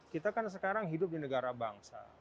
kita kan sekarang hidup di negara bangsa